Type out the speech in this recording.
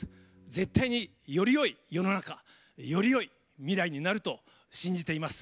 絶対によりよい世の中よりよい未来になると信じています。